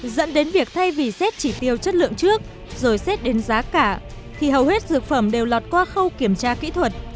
dẫn đến việc thay vì xét chỉ tiêu chất lượng trước rồi xét đến giá cả thì hầu hết dược phẩm đều lọt qua khâu kiểm tra kỹ thuật